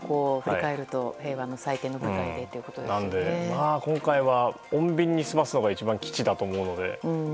なので、今回は穏便に済ますのが一番吉だと思うので。